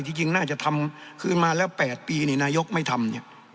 ที่จริงน่าจะทำคือมาแล้ว๘ปีนี่นายกไม่ทำ